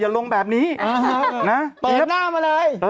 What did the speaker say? ถ้าสองแสนห้าล้างรถแถมให้ด้วย